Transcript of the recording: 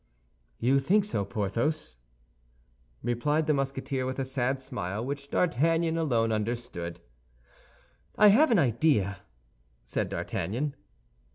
"You think so, Porthos?" replied the Musketeer, with a sad smile which D'Artagnan alone understood. "I have an idea," said D'Artagnan.